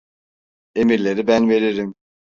Emirleri ben veririm.